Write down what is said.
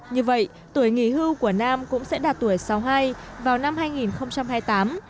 như vậy tuổi nghỉ hưu của nam cũng sẽ đạt tuổi sáu mươi hai vào năm hai nghìn hai mươi tám